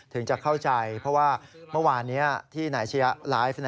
ถึงจะเข้าใจเพราะว่าเมื่อวานนี้ที่นายชะยะไลฟ์